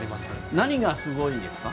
何がすごいですか？